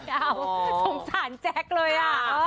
เออสงสารแจ๊คเลย